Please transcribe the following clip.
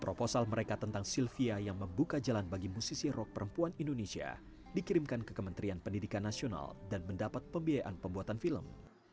proposal mereka tentang sylvia yang membuka jalan bagi musisi rok perempuan indonesia dikirimkan ke kementerian pendidikan nasional dan mendapat pembiayaan pembuatan film